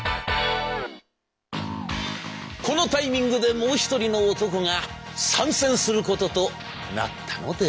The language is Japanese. このタイミングでもう一人の男が参戦することとなったのでございます。